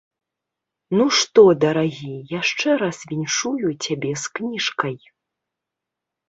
Ну што, дарагі, яшчэ раз віншую цябе з кніжкай.